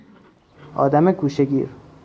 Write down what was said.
آدم گوشهگیر